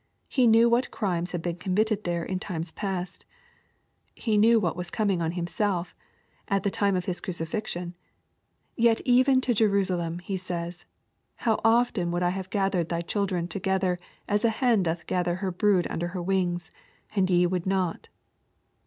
He knew what crimes had been committed there in times past. He knew what was coming on Himself, at the time of His crucifixion. Yet even to Jerusalem He says, " How often would I have gathered thy children to gether as a hen doth gather her brood under her wings, and ye would not."